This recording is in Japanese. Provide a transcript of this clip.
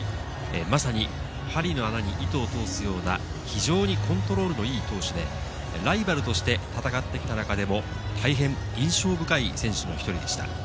まさに針の穴に糸を通すような非常にコントロールのいい投手で、ライバルとして戦ってきた中でも、大変印象深い選手の一人でした。